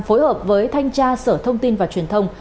phối hợp với thanh tra sở thông tin và truyền thông